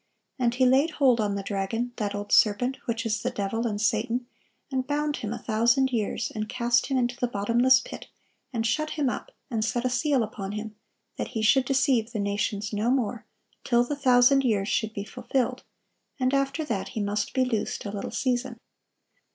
And he laid hold on the dragon, that old serpent, which is the devil, and Satan, and bound him a thousand years, and cast him into the bottomless pit, and shut him up, and set a seal upon him, that he should deceive the nations no more, till the thousand years should be fulfilled: and after that he must be loosed a little season."